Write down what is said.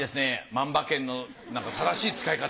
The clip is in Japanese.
万馬券の正しい使い方。